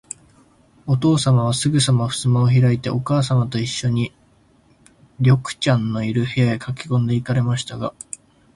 おとうさまは、すぐさまふすまをひらいて、おかあさまといっしょに、緑ちゃんのいる、部屋へかけこんで行かれましたが、